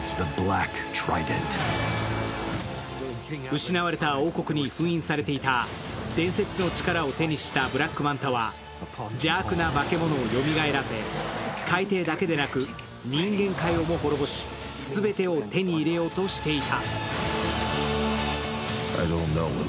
失われた王国に封印されていた伝説の力を手にしたブラックマンタは、邪悪な化け物をよみがえらせ海底だけでなく人間界をも滅ぼし、全てを手に入れようとしていた。